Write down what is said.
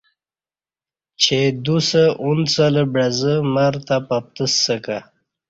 چہ دوسہ ا نڅہ لہ بعزہ مر تہ پپتسہ کہ